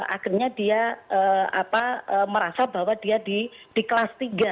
akhirnya dia merasa bahwa dia di kelas tiga